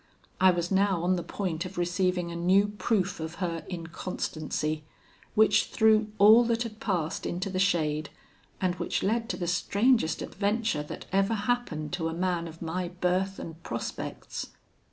I was now on the point of receiving a new proof of her inconstancy, which threw all that had passed into the shade, and which led to the strangest adventure that ever happened to a man of my birth and prospects.